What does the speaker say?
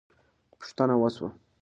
پوښتنه وسوه.